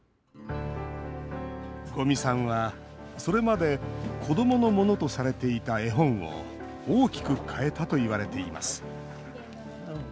五味さんは、それまで子どものものとされていた絵本を大きく変えたといわれています。